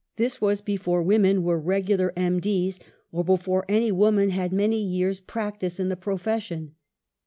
This w^as before women were regular M. D's., or before any woman had many years' practice in the profession.